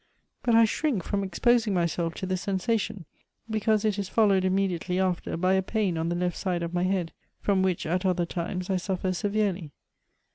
But I shrink from exposing myself to the sensation, because it is followed immediately after by a pain on the left side of my head, from which at other times I sufier severely.'